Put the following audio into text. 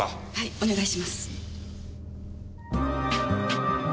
お願いします。